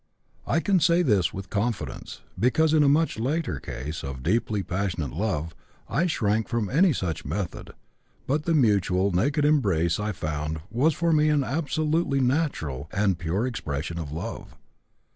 I can say this with confidence, because in a much later case of deeply passionate love, I shrank from any such method, but the mutual, naked embrace I found was for me an absolutely natural and pure expression of love.